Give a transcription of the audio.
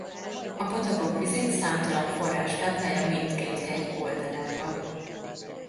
A patakok vizét számtalan forrás táplálja mindkét hegy oldaláról.